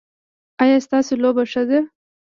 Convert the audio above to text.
ایا ستاسو لوبه ښه ده؟